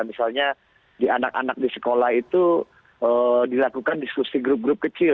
misalnya di anak anak di sekolah itu dilakukan diskusi grup grup kecil